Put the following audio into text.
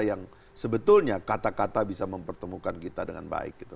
yang sebetulnya kata kata bisa mempertemukan kita dengan baik